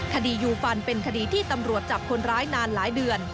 คดียูฟันเป็นคดีที่ตำรวจจับคนร้ายนานหลายเดือน